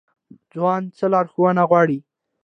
ځوان څه لارښوونه غواړي؟